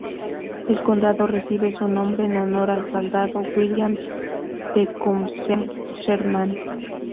El condado recibe su nombre en honor al soldado William Tecumseh Sherman.